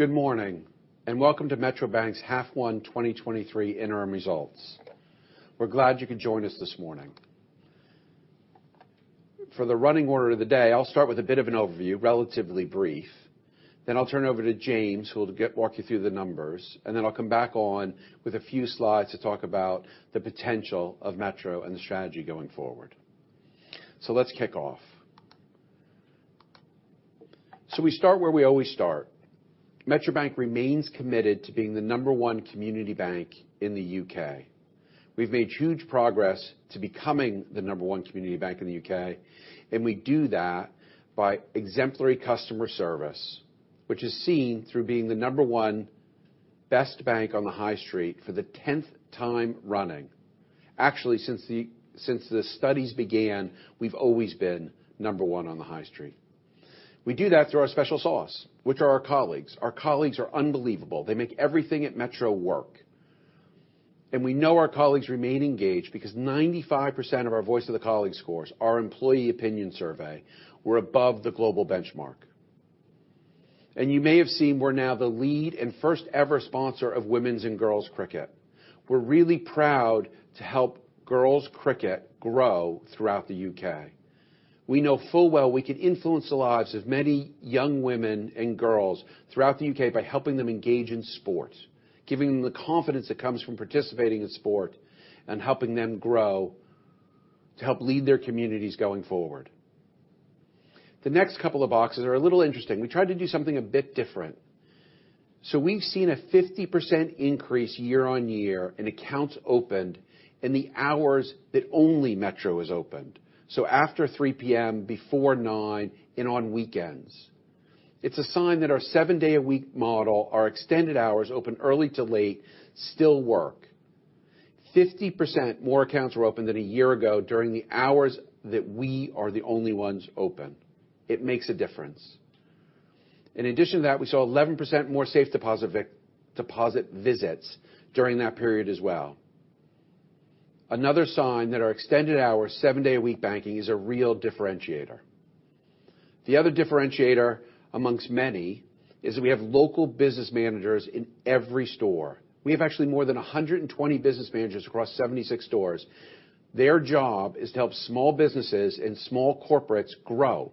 Good morning, welcome to Metro Bank's Half One 2023 Interim Results. We're glad you could join us this morning. For the running order of the day, I'll start with a bit of an overview, relatively brief, then I'll turn it over to James, who will walk you through the numbers, and then I'll come back on with a few slides to talk about the potential of Metro and the strategy going forward. Let's kick off. We start where we always start. Metro Bank remains committed to being the number one community bank in the UK. We've made huge progress to becoming the number one community bank in the UK, and we do that by exemplary customer service, which is seen through being the number one best bank on the High Street for the 10th time running. Actually, since the, since the studies began, we've always been number one on the High Street. We do that through our special sauce, which are our colleagues. Our colleagues are unbelievable. They make everything at Metro work. We know our colleagues remain engaged because 95% of our Voice of the Colleagues scores, our employee opinion survey, were above the global benchmark. You may have seen we're now the lead and first-ever sponsor of women's and girls' cricket. We're really proud to help girls cricket grow throughout the UK. We know full well we can influence the lives of many young women and girls throughout the UK by helping them engage in sport, giving them the confidence that comes from participating in sport, and helping them grow to help lead their communities going forward. The next couple of boxes are a little interesting. We tried to do something a bit different. We've seen a 50% increase year-on-year in accounts opened in the hours that only Metro is opened, after 3:00 P.M., before 9, and on weekends. It's a sign that our seven-day-a-week model, our extended hours, open early to late, still work. 50% more accounts were opened than a year ago during the hours that we are the only ones open. It makes a difference. In addition to that, we saw 11% more safe deposit visits during that period as well. Another sign that our extended hours, seven-day-a-week banking, is a real differentiator. The other differentiator, amongst many, is we have local business managers in every store. We have actually more than 120 business managers across 76 stores. Their job is to help small businesses and small corporates grow.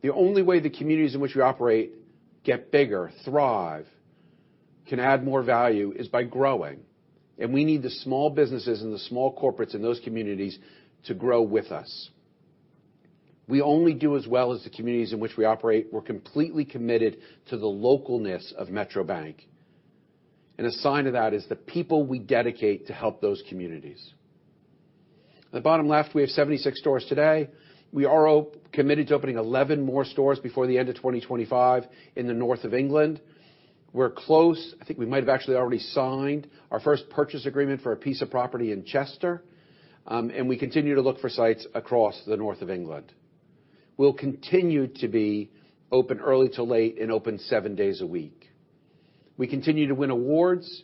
The only way the communities in which we operate get bigger, thrive, can add more value, is by growing, and we need the small businesses and the small corporates in those communities to grow with us. We only do as well as the communities in which we operate. We're completely committed to the localness of Metro Bank, and a sign of that is the people we dedicate to help those communities. At the bottom left, we have 76 stores today. We are committed to opening 11 more stores before the end of 2025 in the north of England. We're close, I think we might have actually already signed our first purchase agreement for a piece of property in Chester, and we continue to look for sites across the north of England. We'll continue to be open early to late and open seven days a week. We continue to win awards,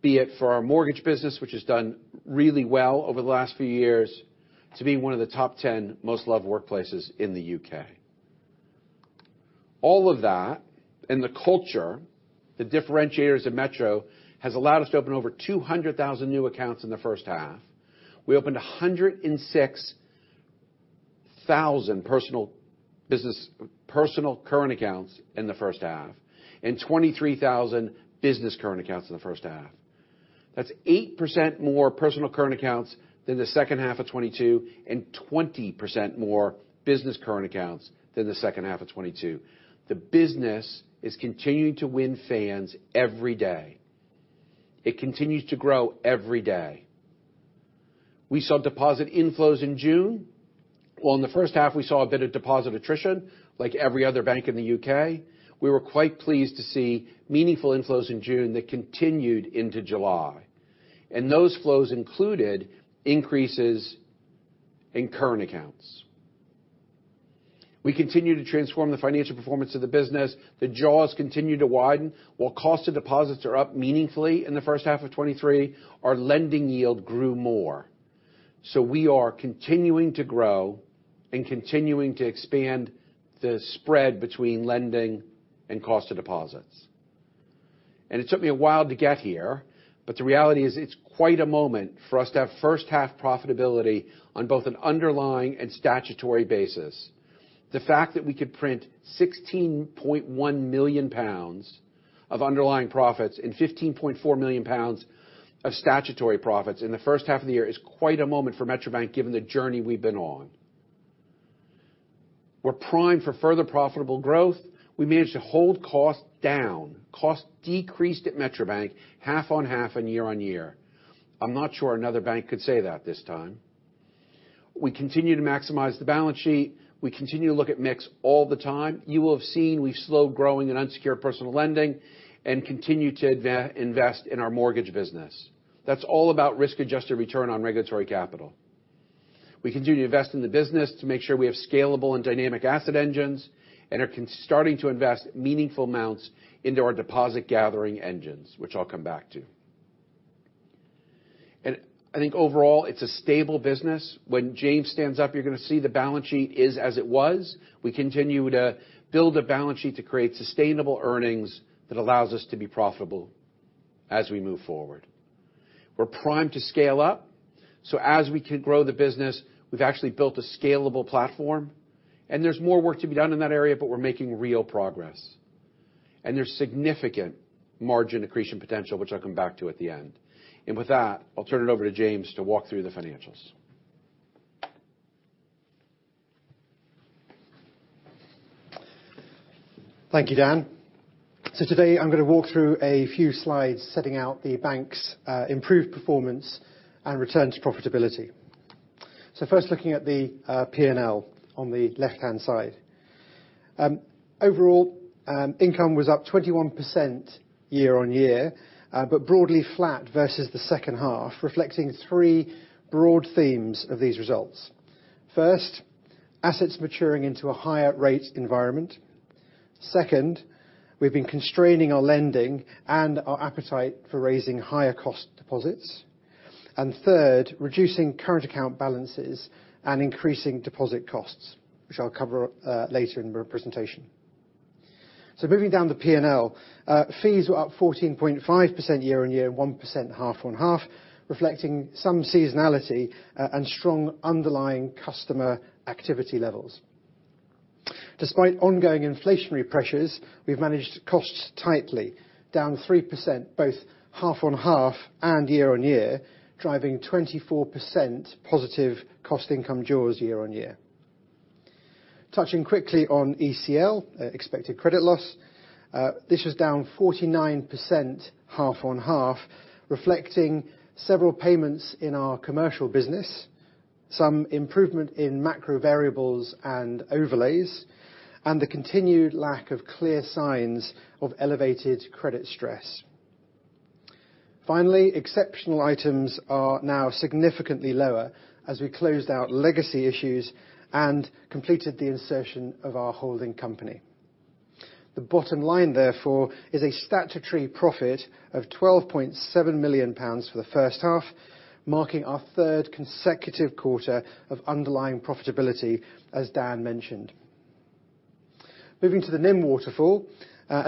be it for our mortgage business, which has done really well over the last few years, to being one of the top 10 most loved workplaces in the U.K. All of that, and the culture, the differentiators of Metro, has allowed us to open over 200,000 new accounts in the first half. We opened 106,000 personal current accounts in the first half and 23,000 business current accounts in the first half. That's 8% more personal current accounts than the second half of 2022, and 20% more business current accounts than the second half of 2022. The business is continuing to win fans every day. It continues to grow every day. We saw deposit inflows in June. While in the first half, we saw a bit of deposit attrition, like every other bank in the UK, we were quite pleased to see meaningful inflows in June that continued into July. Those flows included increases in current accounts. We continue to transform the financial performance of the business. The jaws continue to widen. While cost of deposits are up meaningfully in the first half of 2023, our lending yield grew more. We are continuing to grow and continuing to expand the spread between lending and cost of deposits. It took me a while to get here, but the reality is, it's quite a moment for us to have first half profitability on both an underlying and statutory basis. The fact that we could print 16.1 million pounds of underlying profits and 15.4 million pounds of statutory profits in the first half of the year is quite a moment for Metro Bank, given the journey we've been on. We're primed for further profitable growth. We managed to hold costs down. Costs decreased at Metro Bank half-on-half and year-on-year. I'm not sure another bank could say that this time. We continue to maximize the balance sheet. We continue to look at mix all the time. You will have seen we've slowed growing in unsecured personal lending and continue to invest in our mortgage business. That's all about risk-adjusted return on regulatory capital. We continue to invest in the business to make sure we have scalable and dynamic asset engines, and are starting to invest meaningful amounts into our deposit-gathering engines, which I'll come back to. I think overall, it's a stable business. When James stands up, you're gonna see the balance sheet is as it was. We continue to build a balance sheet to create sustainable earnings that allows us to be profitable as we move forward. We're primed to scale up, so as we can grow the business, we've actually built a scalable platform, and there's more work to be done in that area, but we're making real progress. There's significant margin accretion potential, which I'll come back to at the end. With that, I'll turn it over to James to walk through the financials. Thank you, Dan. Today, I'm gonna walk through a few slides, setting out the bank's improved performance and return to profitability. First looking at the P&L on the left-hand side. Overall, income was up 21% year-on-year, but broadly flat versus the second half, reflecting three broad themes of these results. First, assets maturing into a higher rate environment. Second, we've been constraining our lending and our appetite for raising higher cost deposits. Third, reducing current account balances and increasing deposit costs, which I'll cover later in the presentation. Moving down the P&L, fees were up 14.5% year-on-year, 1% half-on-half, reflecting some seasonality and strong underlying customer activity levels. Despite ongoing inflationary pressures, we've managed costs tightly, down 3%, both half on half and year on year, driving 24% positive cost income jaws year on year. Touching quickly on ECL, expected credit loss, this is down 49% half on half, reflecting several payments in our commercial business, some improvement in macro variables and overlays, and the continued lack of clear signs of elevated credit stress. Finally, exceptional items are now significantly lower as we closed out legacy issues and completed the insertion of our holding company. The bottom line, therefore, is a statutory profit of 12.7 million pounds for the first half, marking our third consecutive quarter of underlying profitability, as Dan mentioned. Moving to the NIM waterfall,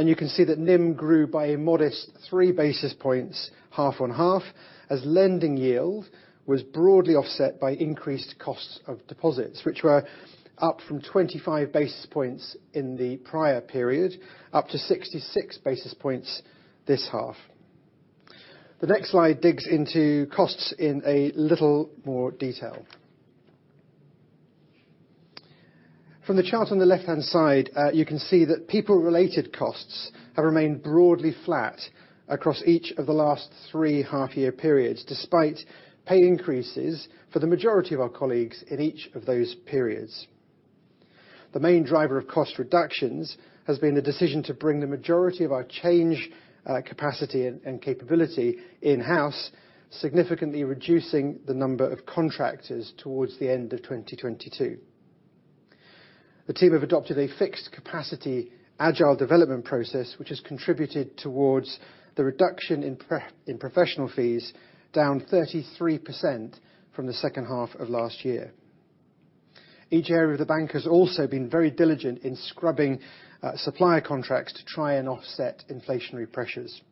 you can see that NIM grew by a modest 3 basis points, half on half, as lending yield was broadly offset by increased costs of deposits, which were up from 25 basis points in the prior period, up to 66 basis points this half. The next slide digs into costs in a little more detail. From the chart on the left-hand side, you can see that people-related costs have remained broadly flat across each of the last 3 half-year periods, despite pay increases for the majority of our colleagues in each of those periods. The main driver of cost reductions has been the decision to bring the majority of our change, capacity and, and capability in-house, significantly reducing the number of contractors towards the end of 2022. The team have adopted a fixed capacity, agile development process, which has contributed towards the reduction in professional fees, down 33% from the second half of last year. Each area of the bank has also been very diligent in scrubbing supplier contracts to try and offset inflationary pressures.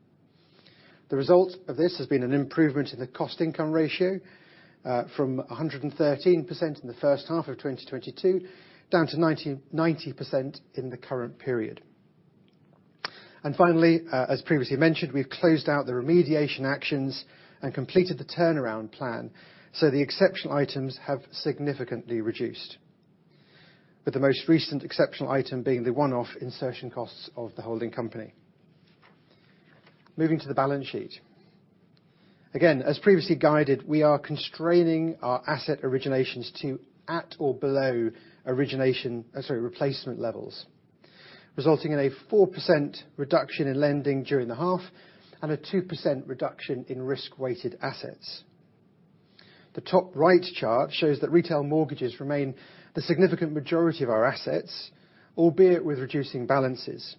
The result of this has been an improvement in the cost income ratio from 113% in the first half of 2022, down to 90% in the current period. Finally, as previously mentioned, we've closed out the remediation actions and completed the turnaround plan, so the exceptional items have significantly reduced, with the most recent exceptional item being the one-off insertion costs of the holding company. Moving to the balance sheet. As previously guided, we are constraining our asset originations to at or below origination, sorry, replacement levels, resulting in a 4% reduction in lending during the half and a 2% reduction in risk-weighted assets. The top right chart shows that retail mortgages remain the significant majority of our assets, albeit with reducing balances.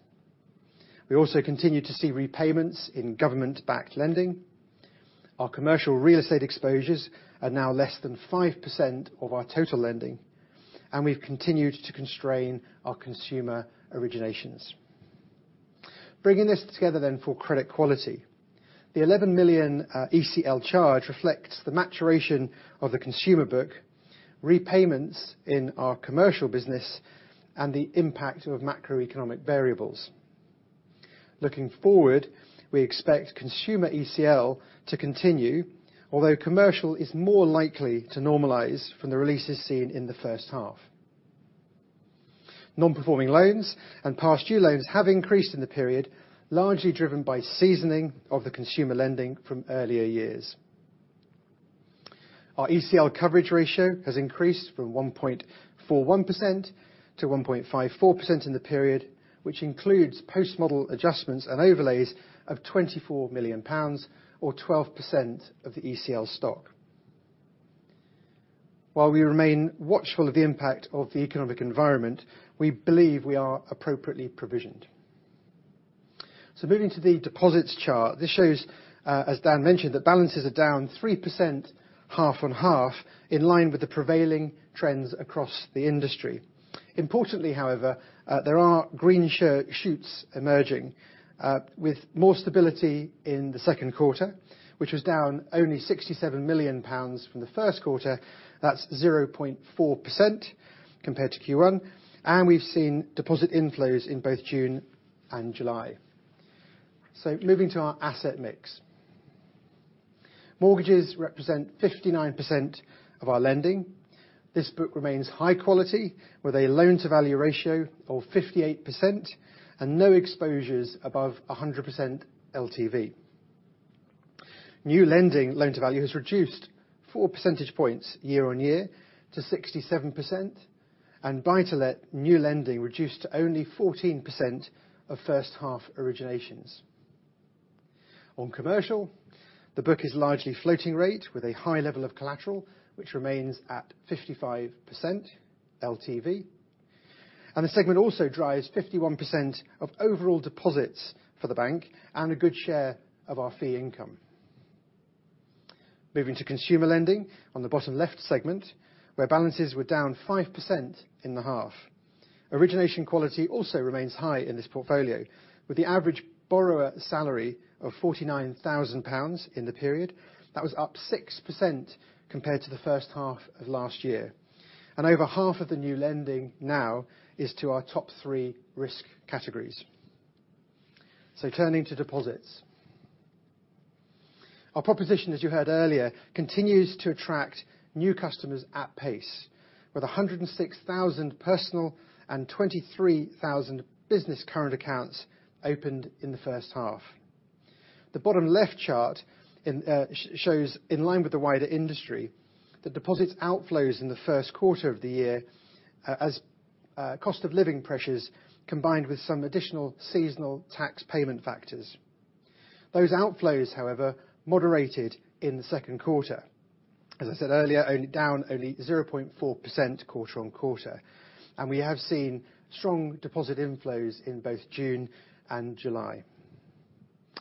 We also continue to see repayments in government-backed lending. Our commercial real estate exposures are now less than 5% of our total lending, we've continued to constrain our consumer originations. Bringing this together for credit quality, the 11 million ECL charge reflects the maturation of the consumer book, repayments in our commercial business, the impact of macroeconomic variables. Looking forward, we expect consumer ECL to continue, although commercial is more likely to normalize from the releases seen in the first half. Non-performing loans and past due loans have increased in the period, largely driven by seasoning of the consumer lending from earlier years. Our ECL coverage ratio has increased from 1.41% to 1.54% in the period, which includes post-model adjustments and overlays of 24 million pounds or 12% of the ECL stock. While we remain watchful of the impact of the economic environment, we believe we are appropriately provisioned. Moving to the deposits chart, this shows, as Dan mentioned, that balances are down 3% half on half, in line with the prevailing trends across the industry. Importantly, however, there are green shoots emerging, with more stability in the Q2, which was down only 67 million pounds from the Q1. That's 0.4% compared to Q1. We've seen deposit inflows in both June and July. Moving to our asset mix. Mortgages represent 59% of our lending. This book remains high quality, with a loan-to-value ratio of 58% and no exposures above 100% LTV. New lending loan-to-value has reduced 4 percentage points year-over-year to 67%. Buy-to-let new lending reduced to only 14% of first half originations. On commercial, the book is largely floating rate, with a high level of collateral, which remains at 55% LTV. The segment also drives 51% of overall deposits for the bank and a good share of our fee income. Moving to consumer lending on the bottom left segment, where balances were down 5% in the half. Origination quality also remains high in this portfolio, with the average borrower salary of 49,000 pounds in the period. That was up 6% compared to the first half of last year. Over half of the new lending now is to our top 3 risk categories. Turning to deposits. Our proposition, as you heard earlier, continues to attract new customers at pace, with 106,000 personal and 23,000 business current accounts opened in the first half. The bottom left chart shows, in line with the wider industry, the deposits outflows in the Q1 of the year, as cost of living pressures, combined with some additional seasonal tax payment factors. Those outflows, however, moderated in the Q2. As I said earlier, only down only 0.4% quarter-on-quarter. We have seen strong deposit inflows in both June and July.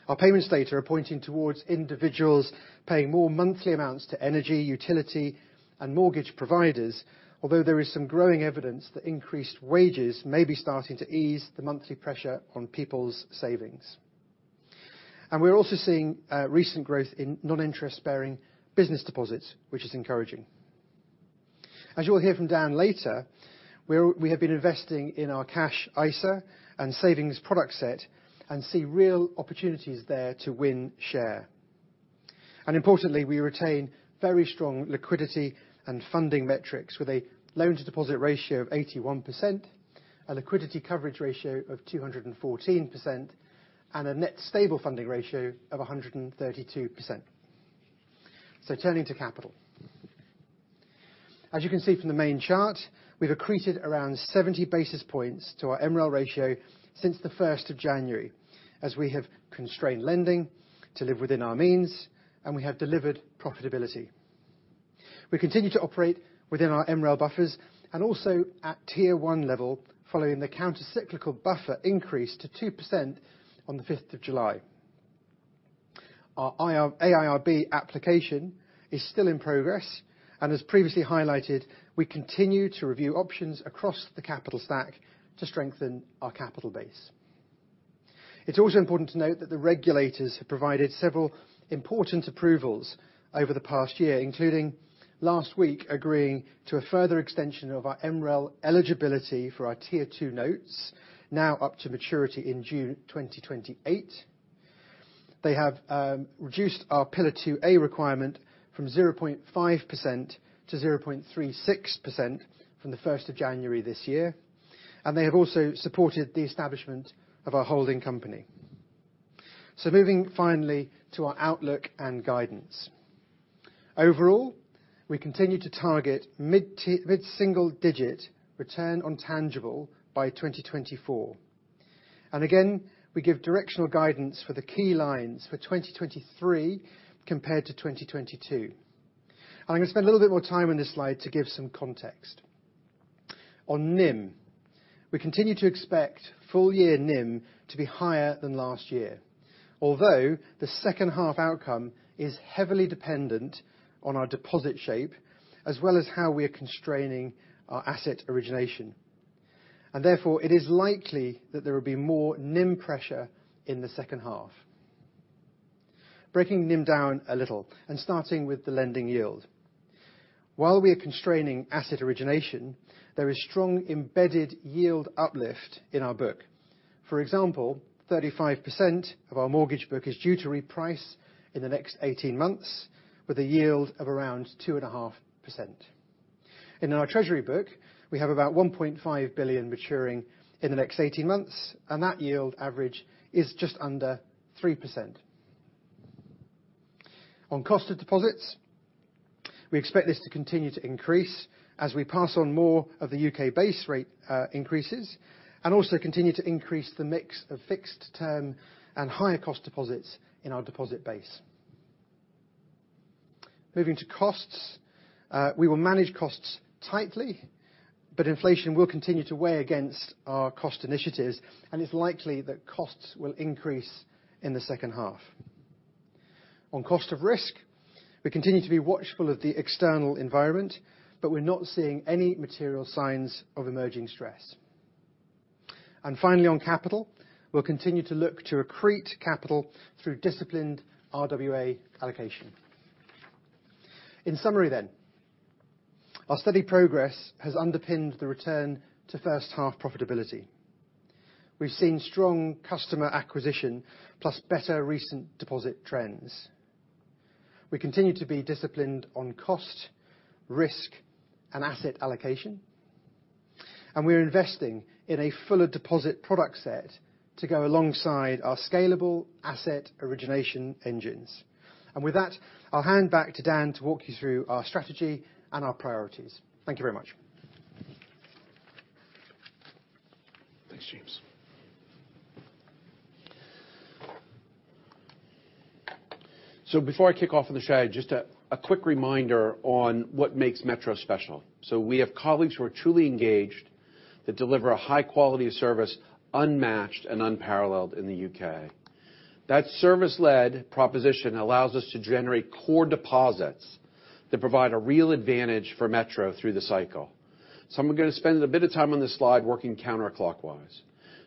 Our payments data are pointing towards individuals paying more monthly amounts to energy, utility, and mortgage providers, although there is some growing evidence that increased wages may be starting to ease the monthly pressure on people's savings. We're also seeing recent growth in non-interest-bearing business deposits, which is encouraging. As you will hear from Dan later, we have been investing in our Cash ISA and savings product set. We see real opportunities there to win share. Importantly, we retain very strong liquidity and funding metrics, with a loan-to-deposit ratio of 81%, a liquidity coverage ratio of 214%, and a net stable funding ratio of 132%. Turning to capital. As you can see from the main chart, we've accreted around 70 basis points to our MREL ratio since the 1st of January, as we have constrained lending to live within our means, and we have delivered profitability. We continue to operate within our MREL buffers and also at Tier 1 level, following the countercyclical buffer increase to 2% on the 5th of July. Our AIRB application is still in progress, as previously highlighted, we continue to review options across the capital stack to strengthen our capital base. It's also important to note that the regulators have provided several important approvals over the past year, including last week, agreeing to a further extension of our MREL eligibility for our Tier 2 notes, now up to maturity in June 2028. They have reduced our Pillar 2A requirement from 0.5% to 0.36% from the 1st of January this year, and they have also supported the establishment of our holding company. Moving finally to our outlook and guidance. Overall, we continue to target mid-single digit return on tangible by 2024. Again, we give directional guidance for the key lines for 2023 compared to 2022. I'm going to spend a little bit more time on this slide to give some context. On NIM, we continue to expect full year NIM to be higher than last year, although the second half outcome is heavily dependent on our deposit shape, as well as how we are constraining our asset origination. Therefore, it is likely that there will be more NIM pressure in the second half. Breaking NIM down a little, starting with the lending yield. While we are constraining asset origination, there is strong embedded yield uplift in our book. For example, 35% of our mortgage book is due to reprice in the next 18 months, with a yield of around 2.5%. In our treasury book, we have about 1.5 billion maturing in the next 18 months, that yield average is just under 3%. On cost of deposits, we expect this to continue to increase as we pass on more of the UK base rate increases, also continue to increase the mix of fixed term and higher cost deposits in our deposit base. Moving to costs, we will manage costs tightly, inflation will continue to weigh against our cost initiatives, it's likely that costs will increase in the second half. On cost of risk, we continue to be watchful of the external environment. We're not seeing any material signs of emerging stress. Finally, on capital, we'll continue to look to accrete capital through disciplined RWA allocation. In summary, our steady progress has underpinned the return to first half profitability. We've seen strong customer acquisition plus better recent deposit trends. We continue to be disciplined on cost, risk, and asset allocation. We're investing in a fuller deposit product set to go alongside our scalable asset origination engines. With that, I'll hand back to Dan to walk you through our strategy and our priorities. Thank you very much. Thanks, James. Before I kick off on the strategy, just a quick reminder on what makes Metro special. We have colleagues who are truly engaged, that deliver a high quality of service, unmatched and unparalleled in the UK. That service-led proposition allows us to generate core deposits that provide a real advantage for Metro through the cycle. I'm gonna spend a bit of time on this slide working counterclockwise.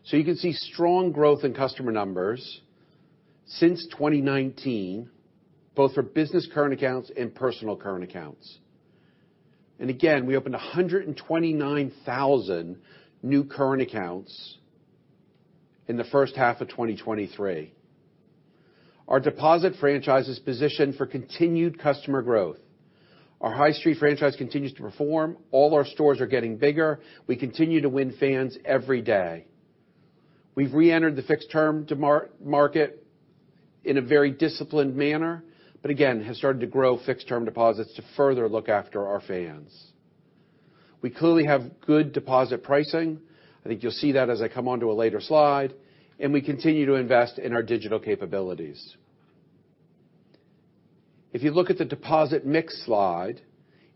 You can see strong growth in customer numbers since 2019, both for business current accounts and personal current accounts. Again, we opened 129,000 new current accounts in the first half of 2023. Our deposit franchise is positioned for continued customer growth. Our High Street franchise continues to perform. All our stores are getting bigger. We continue to win fans every day. We've reentered the fixed term demar- market in a very disciplined manner. Again, have started to grow fixed term deposits to further look after our fans. We clearly have good deposit pricing. I think you'll see that as I come onto a later slide. We continue to invest in our digital capabilities. If you look at the deposit mix slide,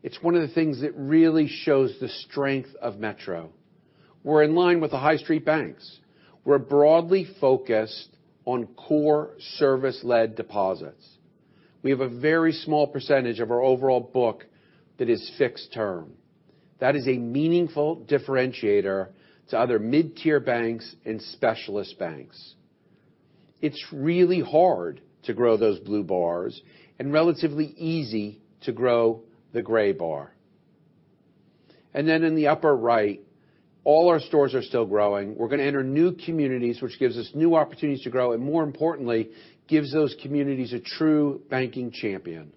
it's one of the things that really shows the strength of Metro. We're in line with the High Street banks. We're broadly focused on core service-led deposits. We have a very small % of our overall book that is fixed term. That is a meaningful differentiator to other mid-tier banks and specialist banks. It's really hard to grow those blue bars and relatively easy to grow the gray bar. Then in the upper right, all our stores are still growing. We're gonna enter new communities, which gives us new opportunities to grow, and more importantly, gives those communities a true banking champion.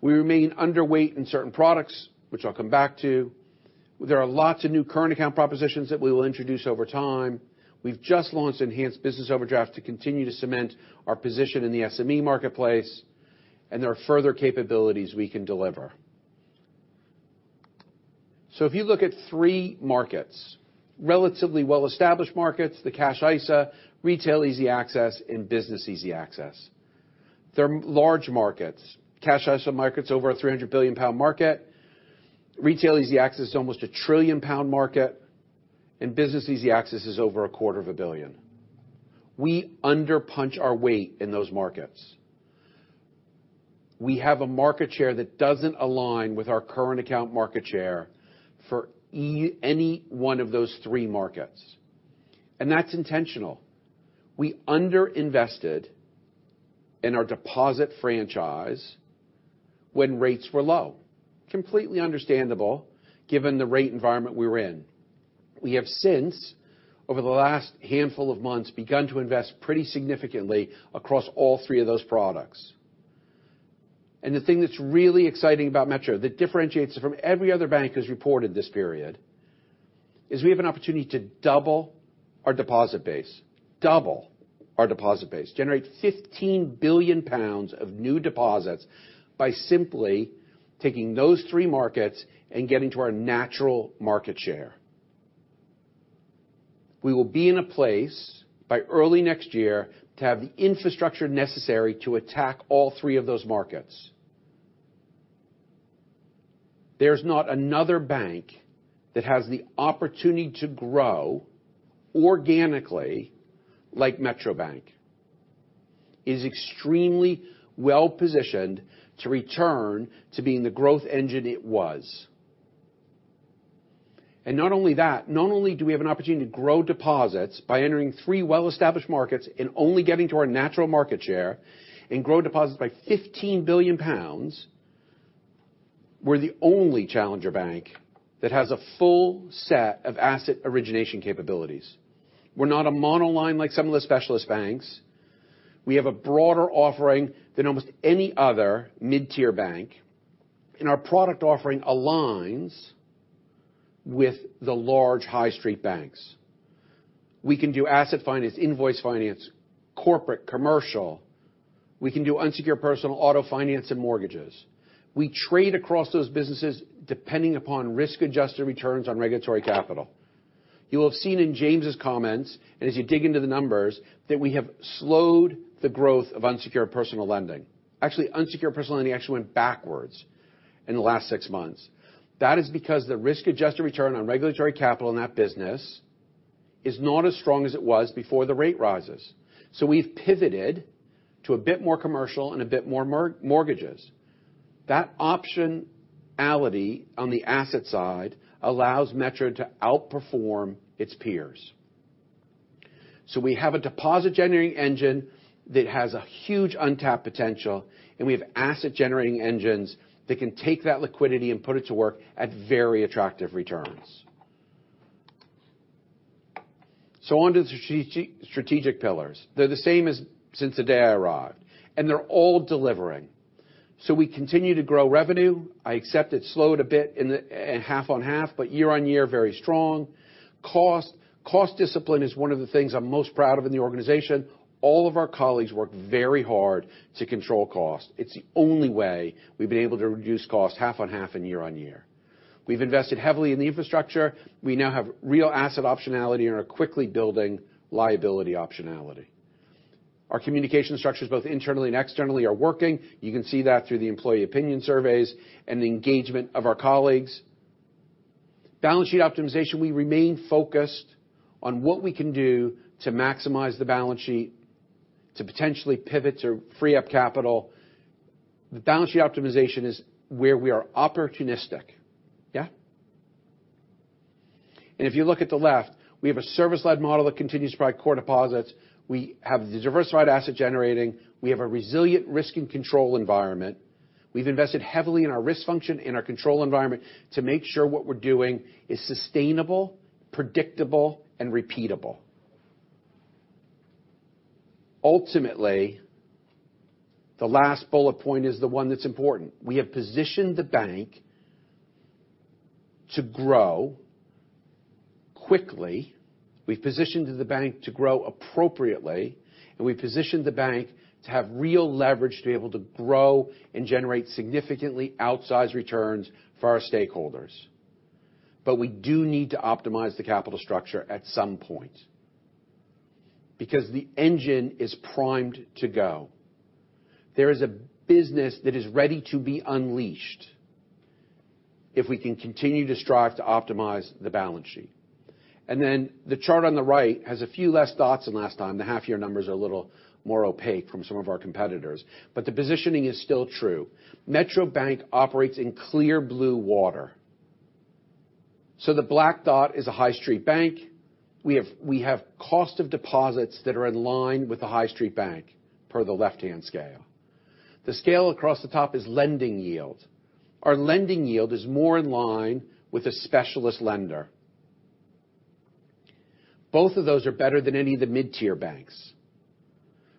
We remain underweight in certain products, which I'll come back to. There are lots of new current account propositions that we will introduce over time. We've just launched Enhanced Business Overdraft to continue to cement our position in the SME marketplace, and there are further capabilities we can deliver. If you look at three markets, relatively well-established markets, the Cash ISA, Retail Easy Access, and Business Easy Access. They're large markets. Cash ISA market's over a 300 billion pound market. Retail Easy Access is almost a 1 trillion pound market, and Business Easy Access is over 250 million. We under-punch our weight in those markets. We have a market share that doesn't align with our current account market share for any one of those 3 markets, and that's intentional. We underinvested in our deposit franchise when rates were low. Completely understandable, given the rate environment we were in. We have since, over the last handful of months, begun to invest pretty significantly across all 3 of those products. The thing that's really exciting about Metro, that differentiates it from every other bank that's reported this period, is we have an opportunity to double our deposit base. Double our deposit base. Generate 15 billion pounds of new deposits by simply taking those 3 markets and getting to our natural market share. We will be in a place by early next year to have the infrastructure necessary to attack all 3 of those markets. There's not another bank that has the opportunity to grow organically like Metro Bank. It is extremely well-positioned to return to being the growth engine it was. Not only that, not only do we have an opportunity to grow deposits by entering three well-established markets and only getting to our natural market share and grow deposits by 15 billion pounds, we're the only challenger bank that has a full set of asset origination capabilities. We're not a monoline like some of the specialist banks. We have a broader offering than almost any other mid-tier bank, and our product offering aligns with the large High Street banks. We can do asset finance, invoice finance, corporate, commercial. We can do unsecured personal auto finance and mortgages. We trade across those businesses depending upon risk-adjusted returns on regulatory capital. You will have seen in James's comments, as you dig into the numbers, that we have slowed the growth of unsecured personal lending. Actually, unsecured personal lending actually went backwards in the last six months. That is because the risk-adjusted return on regulatory capital in that business is not as strong as it was before the rate rises. We've pivoted to a bit more commercial and a bit more mortgages. That optionality on the asset side allows Metro to outperform its peers. We have a deposit-generating engine that has a huge untapped potential, and we have asset-generating engines that can take that liquidity and put it to work at very attractive returns. On to the strategic pillars. They're the same as since the day I arrived, and they're all delivering. We continue to grow revenue. I accept it slowed a bit in the half on half, but year on year, very strong. Cost, cost discipline is one of the things I'm most proud of in the organization. All of our colleagues work very hard to control cost. It's the only way we've been able to reduce costs half on half and year on year. We've invested heavily in the infrastructure. We now have real asset optionality and are quickly building liability optionality. Our communication structures, both internally and externally, are working. You can see that through the employee opinion surveys and the engagement of our colleagues. Balance sheet optimization, we remain focused on what we can do to maximize the balance sheet, to potentially pivot to free up capital. The balance sheet optimization is where we are opportunistic. Yeah? If you look at the left, we have a service-led model that continues to provide core deposits. We have the diversified asset generating. We have a resilient risk and control environment. We've invested heavily in our risk function, in our control environment, to make sure what we're doing is sustainable, predictable, and repeatable. Ultimately, the last bullet point is the one that's important. We have positioned the bank to grow quickly, we've positioned the bank to grow appropriately, and we've positioned the bank to have real leverage, to be able to grow and generate significantly outsized returns for our stakeholders. We do need to optimize the capital structure at some point, because the engine is primed to go. There is a business that is ready to be unleashed if we can continue to strive to optimize the balance sheet. The chart on the right has a few less dots than last time. The half-year numbers are a little more opaque from some of our competitors, but the positioning is still true. Metro Bank operates in clear blue water. The black dot is a High Street bank. We have cost of deposits that are in line with the High Street bank, per the left-hand scale. The scale across the top is lending yield. Our lending yield is more in line with a specialist lender. Both of those are better than any of the mid-tier banks.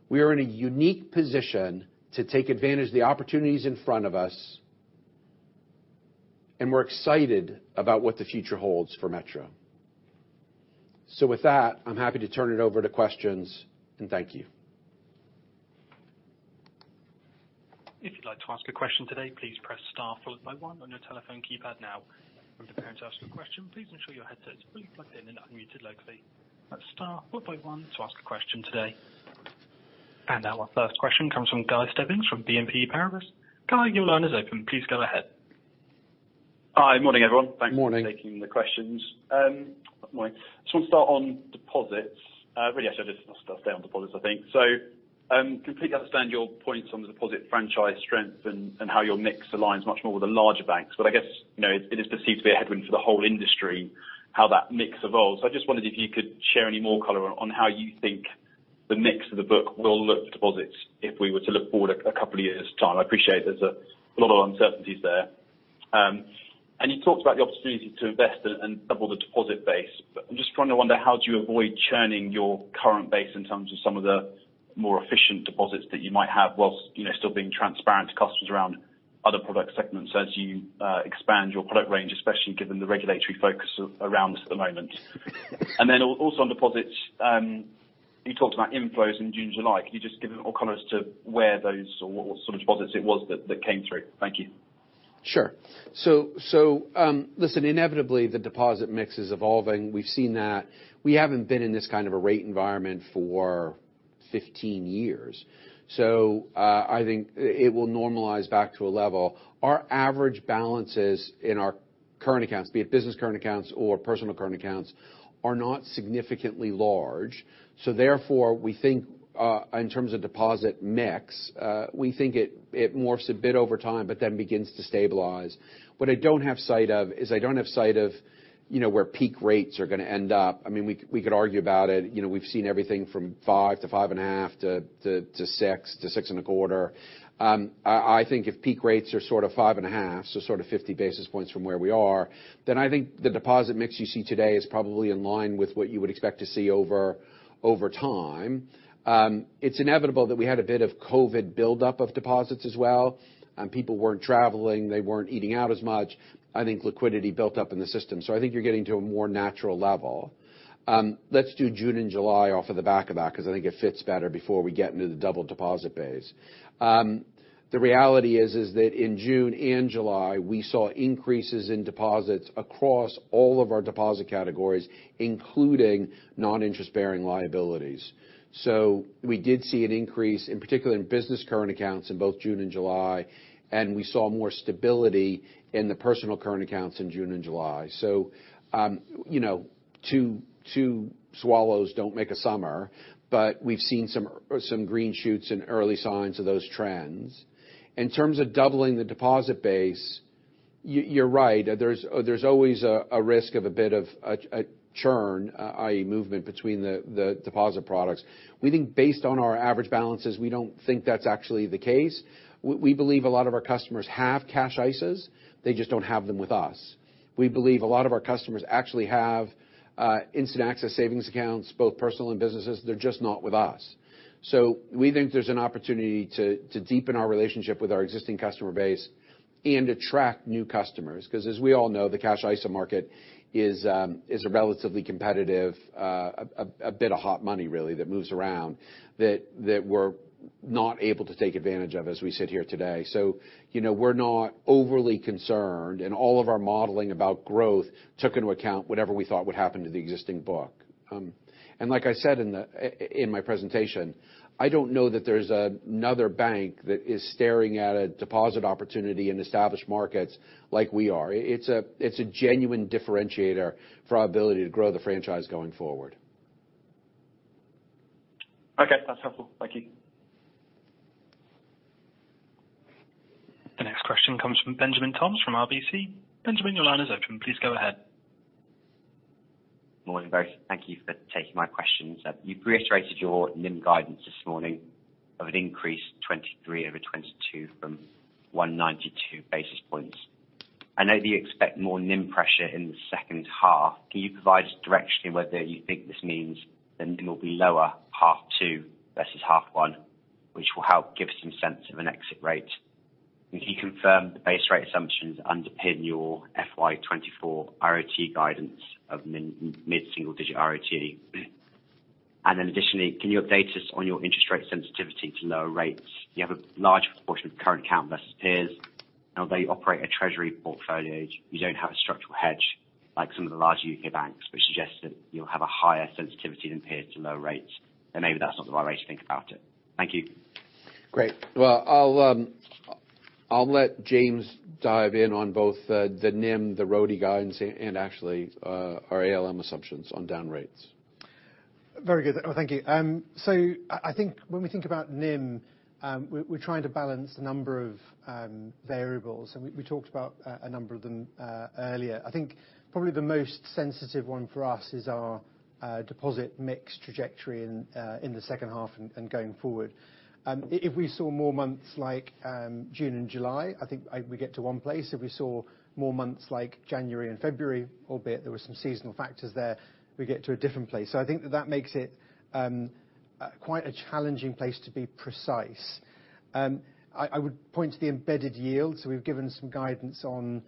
We are in a unique position to take advantage of the opportunities in front of us, and we're excited about what the future holds for Metro. With that, I'm happy to turn it over to questions, and thank you. If you'd like to ask a question today, please press star followed by one on your telephone keypad now. If you're going to ask a question, please ensure your headset is fully plugged in and unmuted locally. Press star followed by one to ask a question today. Our first question comes from Guy Stebbings from BNP Paribas. Guy, your line is open. Please go ahead. Hi. Morning, everyone. Morning. Thanks for taking the questions. Morning. Just want to start on deposits. Really, I should just start stay on deposits, I think. Completely understand your points on the deposit franchise strength and, and how your mix aligns much more with the larger banks. I guess, you know, it is perceived to be a headwind for the whole industry, how that mix evolves. I just wondered if you could share any more color on, on how you think the mix of the book will look for deposits if we were to look forward 2 years' time. I appreciate there's a lot of uncertainties there. You talked about the opportunity to invest and double the deposit base, but I'm just trying to wonder, how do you avoid churning your current base in terms of some of the more efficient deposits that you might have whilst, you know, still being transparent to customers around other product segments as you expand your product range, especially given the regulatory focus around this at the moment? Also on deposits, you talked about inflows in June, July. Can you just give a more comments to where those or what sort of deposits it was that came through? Thank you. Sure. Listen, inevitably, the deposit mix is evolving. We've seen that. We haven't been in this kind of a rate environment for 15 years. It will normalize back to a level. Our average balances in our current accounts, be it business current accounts or personal current accounts, are not significantly large. Therefore, we think, in terms of deposit mix, we think it, it morphs a bit over time, but then begins to stabilize. What I don't have sight of, is I don't have sight of, you know, where peak rates are gonna end up. I mean, we could argue about it. You know, we've seen everything from 5 to 5.5, to 6, to 6.25. I think if peak rates are sort of 5.5, so sort of 50 basis points from where we are, then I think the deposit mix you see today is probably in line with what you would expect to see over time. It's inevitable that we had a bit of COVID buildup of deposits as well, people weren't traveling, they weren't eating out as much. I think liquidity built up in the system. I think you're getting to a more natural level. Let's do June and July off of the back of that, 'cause I think it fits better before we get into the double deposit base. The reality is, is that in June and July, we saw increases in deposits across all of our deposit categories, including non-interest-bearing liabilities. We did see an increase, in particular in business current accounts in both June and July, and we saw more stability in the personal current accounts in June and July. You know, two, two swallows don't make a summer, but we've seen some green shoots and early signs of those trends. In terms of doubling the deposit base, you're right, there's always a risk of a bit of a churn, i.e., movement between the deposit products. We think based on our average balances, we don't think that's actually the case. We believe a lot of our customers have Cash ISAs, they just don't have them with us. We believe a lot of our customers actually have instant access savings accounts, both personal and businesses, they're just not with us. We think there's an opportunity to, to deepen our relationship with our existing customer base, and attract new customers. 'Cause as we all know, the Cash ISA market is a relatively competitive a, a bit of hot money, really, that moves around, that, that we're not able to take advantage of as we sit here today. You know, we're not overly concerned, and all of our modeling about growth took into account whatever we thought would happen to the existing book. Like I said in the in my presentation, I don't know that there's another bank that is staring at a deposit opportunity in established markets like we are. It's a, it's a genuine differentiator for our ability to grow the franchise going forward. Okay, that's helpful. Thank you. The next question comes from Benjamin Toms, from RBC. Benjamin, your line is open. Please go ahead. Morning, guys. Thank you for taking my questions. You've reiterated your NIM guidance this morning, of an increase 2023 over 2022 from 192 basis points. I know that you expect more NIM pressure in the second half. Can you provide us directionally whether you think this means the NIM will be lower H2 versus H1, which will help give some sense of an exit rate? Can you confirm the base rate assumptions underpin your FY 2024 ROTE guidance of mid, mid-single digit ROTE? Additionally, can you update us on your interest rate sensitivity to lower rates? You have a large portion of current account versus peers, and although you operate a treasury portfolio, you don't have a structural hedge like some of the larger UK banks, which suggests that you'll have a higher sensitivity than peers to lower rates. Maybe that's not the right way to think about it. Thank you. Great. Well, I'll, I'll let James dive in on both, the NIM, the ROTE guidance, and actually, our ALM assumptions on down rates. Very good. Well, thank you. I, I think when we think about NIM, we're, we're trying to balance a number of variables, and we, we talked about a number of them earlier. I think probably the most sensitive one for us is our deposit mix trajectory in the second half and going forward. If we saw more months like June and July, I think we get to one place. If we saw more months like January and February, albeit there were some seasonal factors there, we get to a different place. I think that that makes it quite a challenging place, to be precise. I, I would point to the embedded yield. We've given some guidance on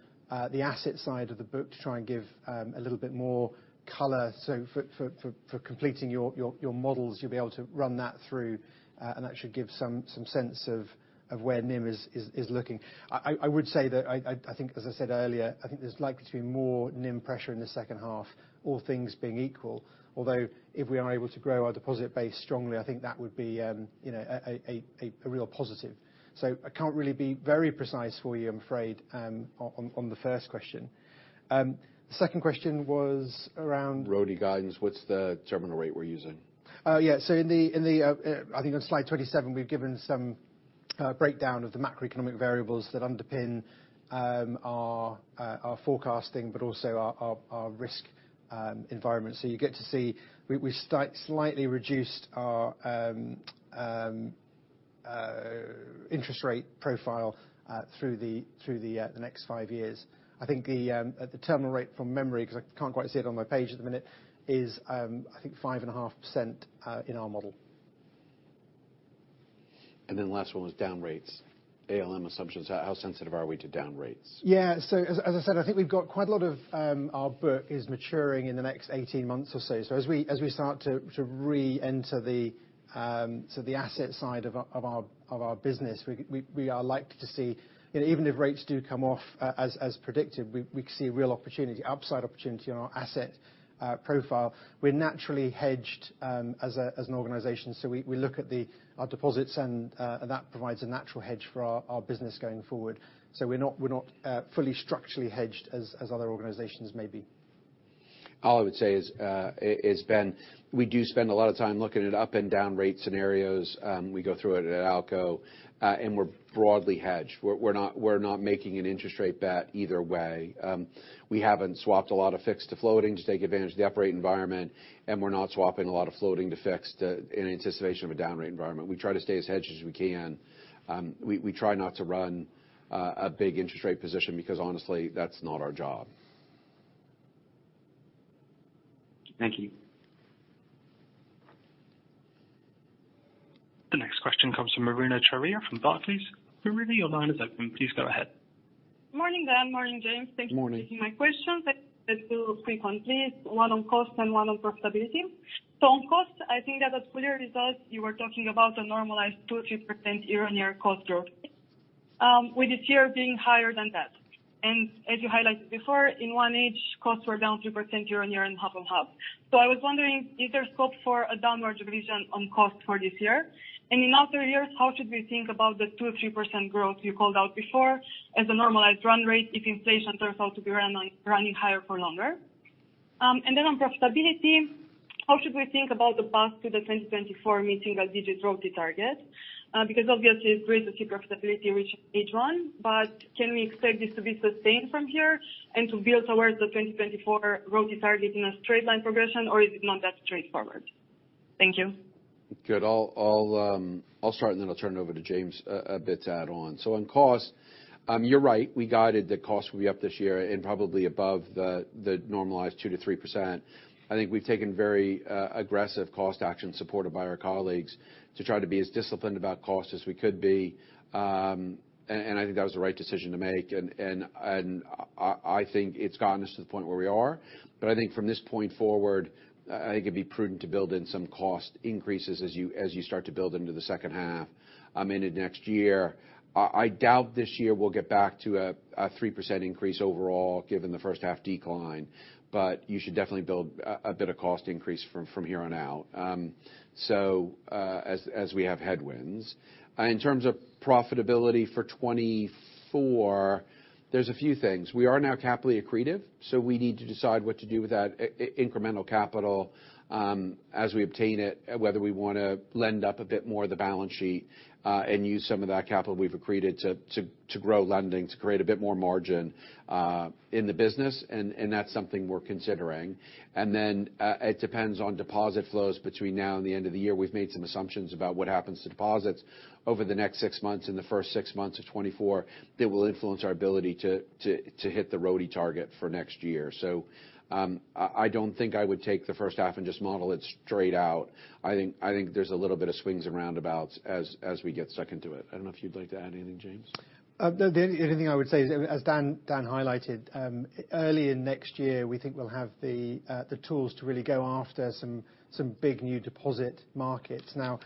the asset side of the book to try and give a little bit more color. For, for, for, for completing your, your, your models, you'll be able to run that through and actually give some, some sense of, of where NIM is, is, is looking. I, I, I would say that I, I, I think as I said earlier, I think there's likely to be more NIM pressure in the second half, all things being equal. Although, if we are able to grow our deposit base strongly, I think that would be, you know, a, a, a, a, a real positive. I can't really be very precise for you, I'm afraid, on, on, on the first question. The second question was around? ROTE guidance, what's the terminal rate we're using? Yeah. In the... I think on slide 27, we've given some breakdown of the macroeconomic variables that underpin our forecasting, but also our, our, our risk environment. You get to see, we slightly reduced our interest rate profile through the next 5 years. I think the terminal rate from memory, because I can't quite see it on my page at the minute, is I think 5.5% in our model. Then last one was down rates. ALM assumptions, how, how sensitive are we to down rates? Yeah. As, as I said, I think we've got quite a lot of our book is maturing in the next 18 months or so. As we, as we start to, to re-enter the, so the asset side of our, of our, of our business, we, we, we are likely to see, you know, even if rates do come off, as, as predicted, we, we could see a real opportunity, upside opportunity on our asset-... profile. We're naturally hedged, as a, as an organization, we, we look at the, our deposits, and that provides a natural hedge for our, our business going forward. We're not, we're not fully structurally hedged as, as other organizations may be. All I would say is, is, Ben, we do spend a lot of time looking at up and down rate scenarios, we go through it at ALCO, we're broadly hedged. We're, we're not, we're not making an interest rate bet either way. We haven't swapped a lot of fixed to floating to take advantage of the up rate environment, we're not swapping a lot of floating to fixed in anticipation of a down rate environment. We try to stay as hedged as we can. We, we try not to run a big interest rate position because honestly, that's not our job. Thank you. The next question comes from Marina Shchukina from Barclays. Marina, your line is open. Please go ahead. Morning, Dan. Morning, James. Morning. Thank you for taking my questions. I have two frequently, one on cost and one on profitability. On cost, I think that the clear results you were talking about a normalized 2% or 3% year-on-year cost growth, with this year being higher than that. As you highlighted before, in 1H, costs were down 2% year-on-year and half on half. I was wondering, is there scope for a downward revision on cost for this year? In another years, how should we think about the 2% or 3% growth you called out before as a normalized run rate if inflation turns out to be running higher for longer? On profitability, how should we think about the path to the 2024 meeting a digit ROAE target? Because obviously, it's great to see profitability in each, each one, but can we expect this to be sustained from here and to build towards the 2024 ROAE target in a straight line progression, or is it not that straightforward? Thank you. Good. I'll, I'll, I'll start, and then I'll turn it over to James a, a bit to add on. On cost, you're right, we guided that costs will be up this year and probably above the, the normalized 2%-3%. I think we've taken very aggressive cost action, supported by our colleagues, to try to be as disciplined about cost as we could be, and, and I think that was the right decision to make. And, and, and I, I think it's gotten us to the point where we are. I think from this point forward, I, I think it'd be prudent to build in some cost increases as you, as you start to build into the second half, into next year. I doubt this year we'll get back to a, a 3% increase overall, given the first half decline, but you should definitely build a, a bit of cost increase from, from here on out. As, as we have headwinds. In terms of profitability for 2024, there's a few things. We are now capitally accretive, so we need to decide what to do with that incremental capital as we obtain it, whether we wanna lend up a bit more of the balance sheet and use some of that capital we've accreted to grow lending, to create a bit more margin in the business, and that's something we're considering. Then it depends on deposit flows between now and the end of the year. We've made some assumptions about what happens to deposits over the next six months, in the first six months of 2024, that will influence our ability to, to, to hit the ROAE target for next year. I, I don't think I would take the first half and just model it straight out. I think, I think there's a little bit of swings and roundabouts as, as we get stuck into it. I don't know if you'd like to add anything, James? The only thing I would say is, as Dan, Dan highlighted, early in next year, we think we'll have the tools to really go after some, some big new deposit markets. Now,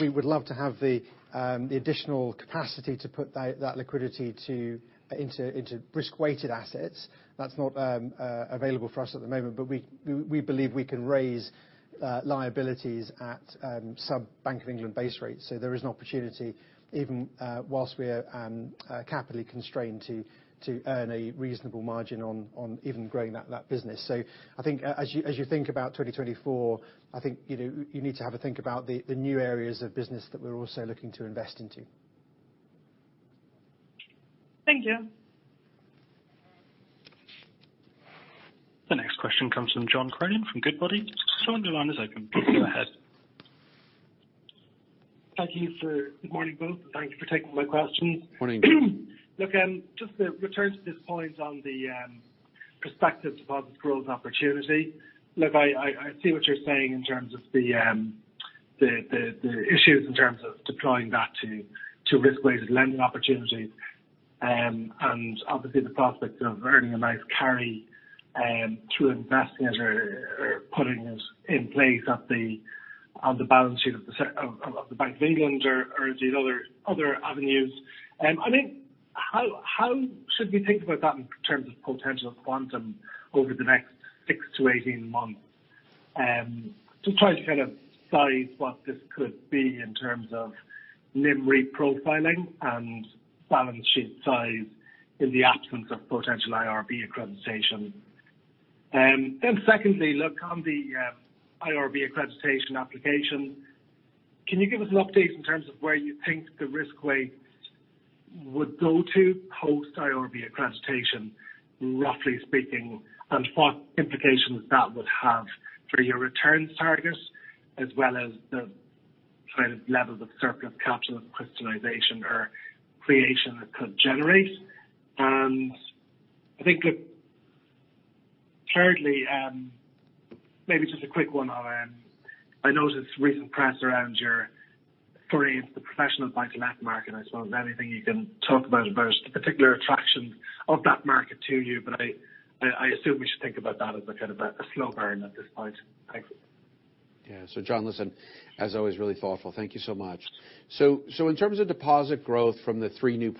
we would love to have the additional capacity to put that, that liquidity to, into, into risk-weighted assets. That's not available for us at the moment, but we, we believe we can raise liabilities at sub Bank of England base rates. There is an opportunity, even, whilst we are capitally constrained, to, to earn a reasonable margin on, on even growing that, that business. I think as you, as you think about 2024, I think, you know, you need to have a think about the, the new areas of business that we're also looking to invest into. Thank you. The next question comes from John Cronin from Goodbody. John, the line is open. Please go ahead. Thank you, sir. Good morning, both. Thank you for taking my questions. Morning. Look, just to return to this point on the prospective deposit growth opportunity. Look, I, I see what you're saying in terms of the issues in terms of deploying that to risk-weighted lending opportunities, and obviously, the prospect of earning a nice carry through investing it or putting it in place on the balance sheet of the Bank of England or these other, other avenues. I think, how, how should we think about that in terms of potential quantum over the next 6 to 18 months? To try to kind of size what this could be in terms of NIM reprofiling and balance sheet size in the absence of potential IRB accreditation. Secondly, look, on the IRB accreditation application, can you give us an update in terms of where you think the risk weight would go to post IRB accreditation, roughly speaking, and what implications that would have for your returns targets, as well as the kind of levels of surplus capital crystallization or creation that could generate? I think, look, thirdly, maybe just a quick one on, I noticed recent press around your forays into the professional buy-to-let market, and I suppose anything you can talk about, about the particular attraction of that market to you, but I, I, I assume we should think about that as a kind of a, a slow burn at this point. Thanks. Yeah. John, listen, as always, really thoughtful. Thank you so much. In terms of deposit growth from the three new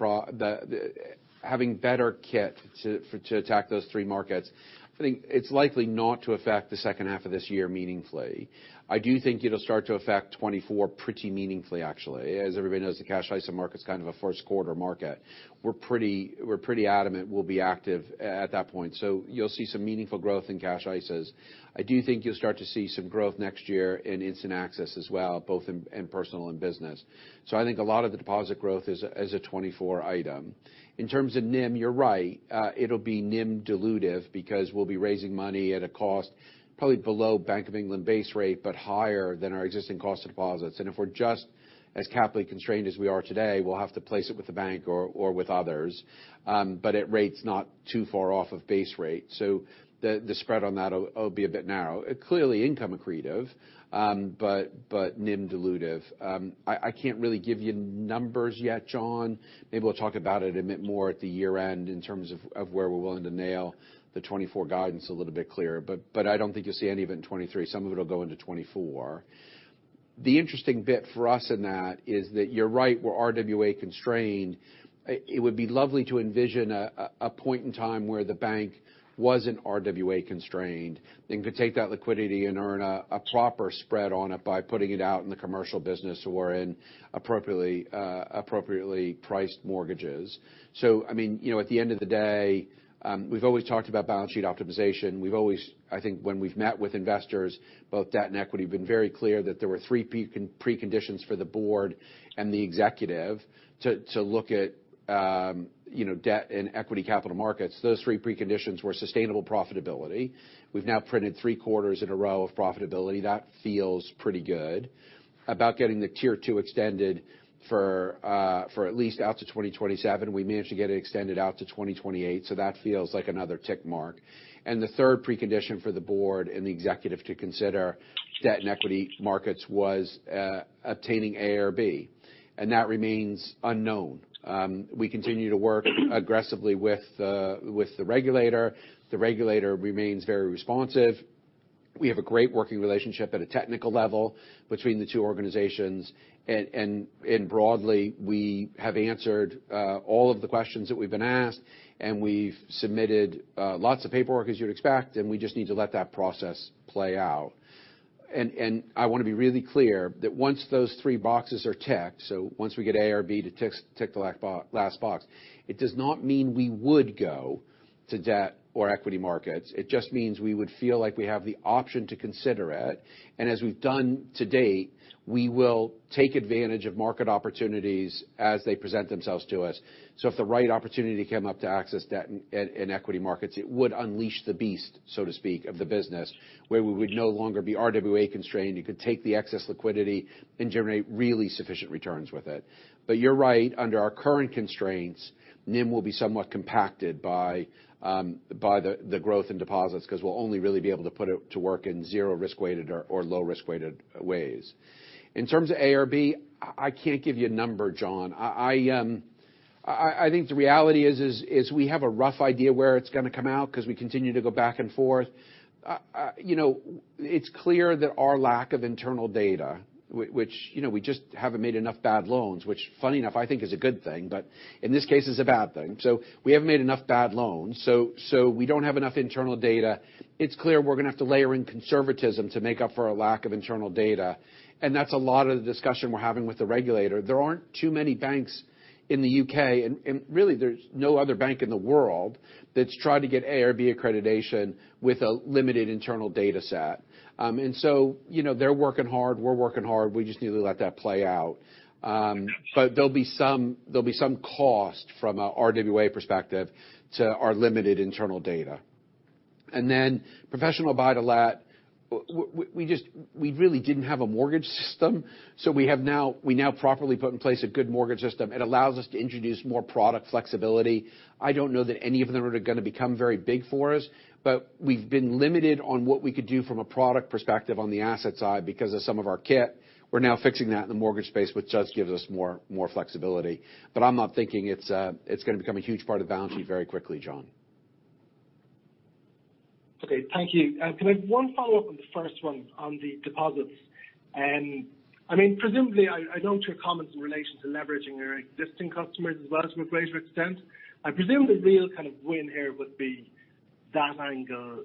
having better kit to, for, to attack those three markets, I think it's likely not to affect the second half of this year meaningfully. I do think it'll start to affect 2024 pretty meaningfully, actually. As everybody knows, the cash ISA market's kind of a Q1 market. We're pretty, we're pretty adamant we'll be active at that point, so you'll see some meaningful growth in cash ISAs. I do think you'll start to see some growth next year in instant access as well, both in, in personal and business. I think a lot of the deposit growth is, is a 2024 item. In terms of NIM, you're right, it'll be NIM dilutive because we'll be raising money at a cost probably below Bank of England base rate, but higher than our existing cost of deposits. If we're just as capitally constrained as we are today, we'll have to place it with the bank or, or with others, but at rates not too far off of base rate. The, the spread on that will, will be a bit narrow. Clearly, income accretive, but, but NIM dilutive. I, I can't really give you numbers yet, John. Maybe we'll talk about it a bit more at the year end in terms of, of where we're willing to nail the 2024 guidance a little bit clearer, but, but I don't think you'll see any of it in 2023. Some of it will go into 2024. The interesting bit for us in that is that you're right, we're RWA constrained. It would be lovely to envision a point in time where the bank wasn't RWA constrained and could take that liquidity and earn a proper spread on it by putting it out in the commercial business or in appropriately priced mortgages. I mean, you know, at the end of the day, we've always talked about balance sheet optimization. I think when we've met with investors, both debt and equity, been very clear that there were three preconditions for the board and the executive to look at, you know, debt and equity capital markets. Those three preconditions were sustainable profitability. We've now printed three quarters in a row of profitability. That feels pretty good. About getting the Tier 2 extended for at least out to 2027, we managed to get it extended out to 2028, so that feels like another tick mark. The third precondition for the board and the executive to consider debt and equity markets was, obtaining AIRB, and that remains unknown. We continue to work aggressively with, with the regulator. The regulator remains very responsive. We have a great working relationship at a technical level between the two organizations, and broadly, we have answered, all of the questions that we've been asked, and we've submitted, lots of paperwork, as you'd expect, and we just need to let that process play out. I want to be really clear that once those three boxes are ticked, once we get AIRB to tick, tick the last box, it does not mean we would go to debt or equity markets. It just means we would feel like we have the option to consider it. As we've done to date, we will take advantage of market opportunities as they present themselves to us. If the right opportunity came up to access debt in equity markets, it would unleash the beast, so to speak, of the business, where we would no longer be RWA constrained. You could take the excess liquidity and generate really sufficient returns with it. You're right, under our current constraints, NIM will be somewhat compacted by, by the, the growth in deposits, 'cause we'll only really be able to put it to work in zero risk-weighted or, or low risk-weighted ways. In terms of AIRB, I, I can't give you a number, John. I, I, I, I think the reality is, is, is we have a rough idea where it's gonna come out, 'cause we continue to go back and forth. You know, it's clear that our lack of internal data, which, you know, we just haven't made enough bad loans, which funny enough, I think is a good thing, but in this case, it's a bad thing. We haven't made enough bad loans, so, so we don't have enough internal data. It's clear we're gonna have to layer in conservatism to make up for our lack of internal data, and that's a lot of the discussion we're having with the regulator. There aren't too many banks in the UK, and, and really, there's no other bank in the world, that's tried to get AIRB accreditation with a limited internal data set. So, you know, they're working hard. We're working hard. We just need to let that play out. There'll be some, there'll be some cost from a RWA perspective to our limited internal data. Then professional buy-to-let, we really didn't have a mortgage system, so we have now, we now properly put in place a good mortgage system. It allows us to introduce more product flexibility. I don't know that any of them are gonna become very big for us, but we've been limited on what we could do from a product perspective on the asset side because of some of our kit. We're now fixing that in the mortgage space, which just gives us more, more flexibility. I'm not thinking it's, it's gonna become a huge part of the balance sheet very quickly, John. Okay, thank you. Can I have 1 follow-up on the first 1, on the deposits? I mean, presumably, I, I note your comments in relation to leveraging your existing customers as well as to a greater extent. I presume the real kind of win here would be that angle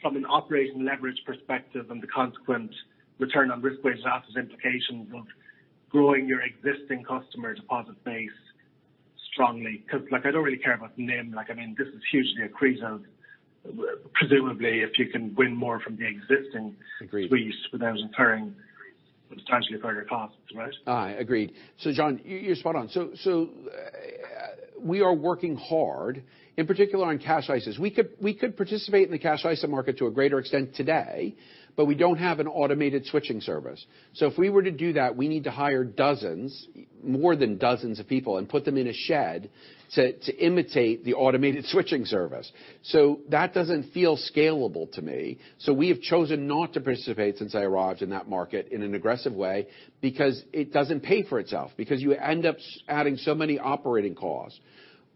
from an operating leverage perspective and the consequent return on risk-weighted assets, implications of growing your existing customer deposit base strongly. 'Cause, like, I don't really care about NIM. Like, I mean, this is hugely accretive, presumably, if you can win more from the existing. Agreed. Squeeze without incurring the potentially higher costs, right? Agreed. John, you, you're spot on. We are working hard, in particular on Cash ISAs. We could, we could participate in the Cash ISA market to a greater extent today, but we don't have an automated switching service. If we were to do that, we need to hire dozens, more than dozens of people and put them in a shed to, to imitate the automated switching service. That doesn't feel scalable to me. We have chosen not to participate since I arrived in that market in an aggressive way because it doesn't pay for itself, because you end up adding so many operating costs.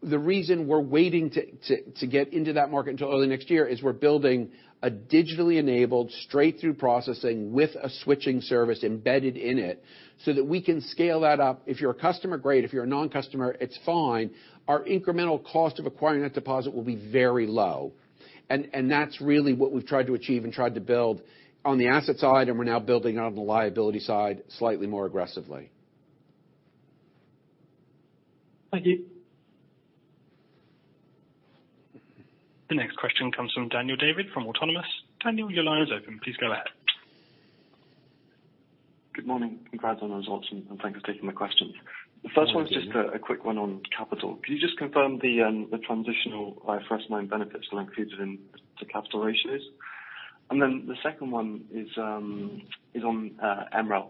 The reason we're waiting to, to, to get into that market until early next year is we're building a digitally enabled, straight-through processing with a switching service embedded in it, so that we can scale that up. If you're a customer, great. If you're a non-customer, it's fine. Our incremental cost of acquiring that deposit will be very low. That's really what we've tried to achieve and tried to build on the asset side, and we're now building on the liability side slightly more aggressively. Thank you. The next question comes from Daniel David from Autonomous. Daniel, your line is open. Please go ahead. Good morning. Congrats on the results, and thanks for taking my questions. The first one is just a quick one on capital. Can you just confirm the transitional IFRS 9 benefits that are included in the capital ratios? Then the second one is on MREL.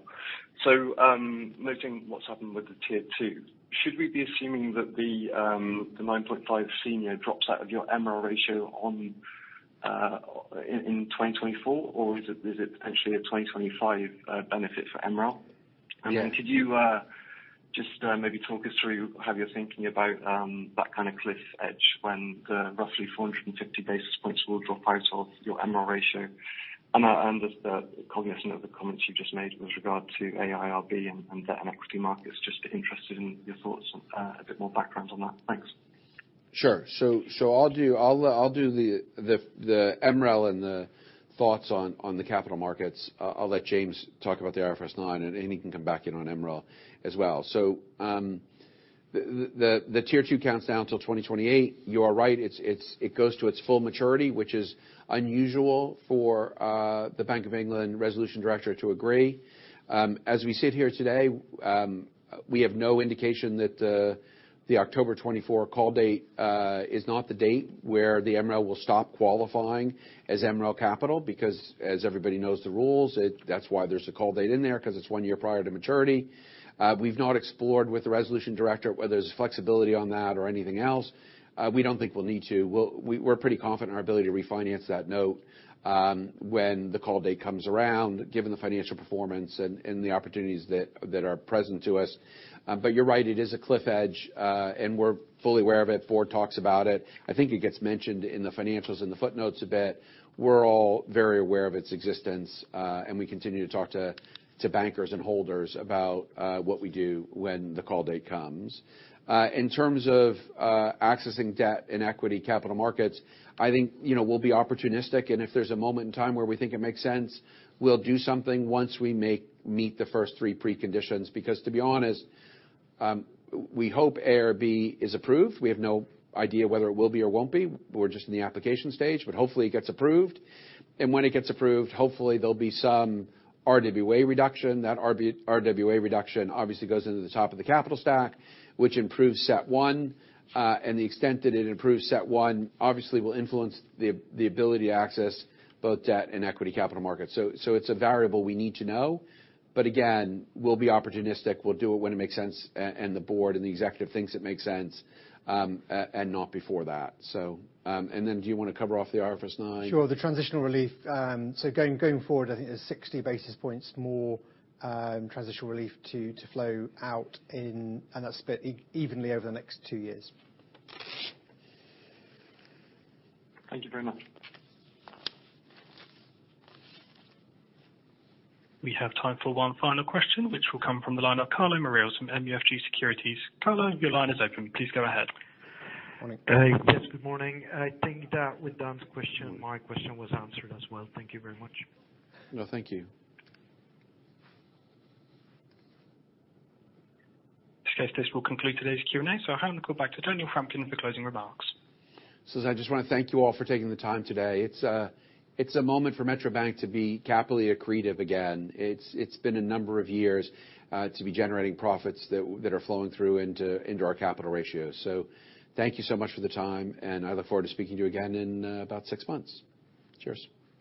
Noting what's happened with the Tier 2, should we be assuming that the 9.5 senior drops out of your MREL ratio on in 2024, or is it potentially a 2025 benefit for MREL? Yeah. Could you just maybe talk us through how you're thinking about that kind of cliff edge when the roughly 450 basis points will drop out of your MREL ratio? The cognizant of the comments you just made with regard to AIRB and the equity markets, just interested in your thoughts on a bit more background on that. Thanks. Sure. I'll do the MREL and the thoughts on the capital markets. I'll let James talk about the IFRS 9, and Amy can come back in on MREL as well. The Tier 2 counts down till 2028. You are right. It's it goes to its full maturity, which is unusual for the Bank of England Resolution Directorate to agree. As we sit here today, we have no indication that the October 2024 call date is not the date where the MREL will stop qualifying as MREL capital, because as everybody knows the rules, that's why there's a call date in there, because it's one year prior to maturity. We've not explored with the Resolution Directorate whether there's flexibility on that or anything else. We don't think we'll need to. We're pretty confident in our ability to refinance that note, when the call date comes around, given the financial performance and, and the opportunities that, that are present to us. You're right, it is a cliff edge, and we're fully aware of it. Ford talks about it. I think it gets mentioned in the financials and the footnotes a bit. We're all very aware of its existence, and we continue to talk to, to bankers and holders about what we do when the call date comes. In terms of accessing debt and equity capital markets, I think, you know, we'll be opportunistic, and if there's a moment in time where we think it makes sense, we'll do something once we meet the first three preconditions. To be honest, we hope AIRB is approved. We have no idea whether it will be or won't be. We're just in the application stage, but hopefully it gets approved. When it gets approved, hopefully there'll be some RWA reduction. That RWA reduction obviously goes into the top of the capital stack, which improves CET1. The extent that it improves CET1 obviously will influence the ability to access both debt and equity capital markets. It's a variable we need to know. Again, we'll be opportunistic. We'll do it when it makes sense, and the board and the executive thinks it makes sense, and not before that. Do you wanna cover off the IFRS 9? Sure. The transitional relief. Going, going forward, I think there's 60 basis points more, transitional relief to, to flow out in. That's split evenly over the next 2 years. Thank you very much. We have time for one final question, which will come from the line of Carlo Mareels from MUFG Securities. Carlo, your line is open. Please go ahead. Morning. Yes, good morning. I think that with Dan's question, my question was answered as well. Thank you very much. No, thank you. Okay. This will conclude today's Q&A, so I'll hand it back to Daniel Frumkin for closing remarks. I just want to thank you all for taking the time today. It's a, it's a moment for Metro Bank to be capitally accretive again. It's, it's been a number of years, to be generating profits that, that are flowing through into, into our capital ratios. So thank you so much for the time, and I look forward to speaking to you again in about six months. Cheers.